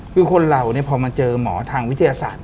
คือคนเราพอมาเจอหมอทางวิทยาศาสตร์